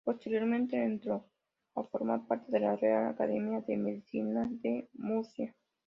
Posteriormente entró a formar parte de la Real Academia de Medicina de Murcia.